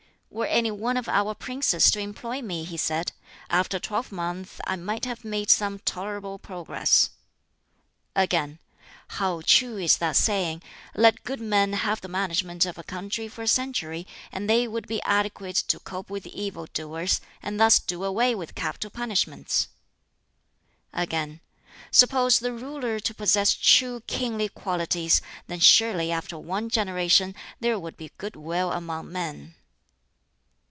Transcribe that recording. "Were any one of our princes to employ me," he said, "after a twelvemonth I might have made some tolerable progress;" Again, "How true is that saying, 'Let good men have the management of a country for a century, and they would be adequate to cope with evil doers, and thus do away with capital punishments,'" Again, "Suppose the ruler to possess true kingly qualities, then surely after one generation there would be good will among men."